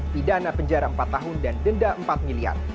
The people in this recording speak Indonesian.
pidana penjara empat tahun dan denda empat miliar